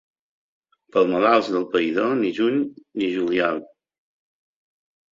Pels malalts del païdor, ni juny ni juliol.